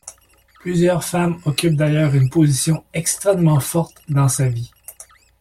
Plusieurs femmes occupent d'ailleurs une position extrêmement forte dans sa vie.